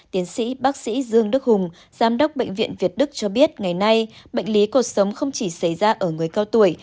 tiến sĩ bác sĩ dương đức hùng giám đốc bệnh viện việt đức cho biết ngày nay bệnh lý cột sống không chỉ xảy ra ở người cao tuổi